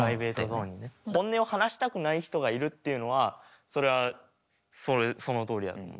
本音を話したくない人がいるっていうのはそれはそのとおりやと思う。